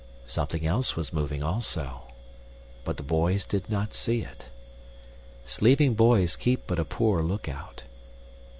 Something else was moving also, but the boys did not see it. Sleeping boys keep but a poor lookout.